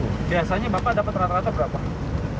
biasanya bapak dapat rata rata berapa